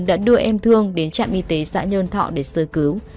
đã đưa em thương đến trạm y tế xã nhơn thọ để sơ cứu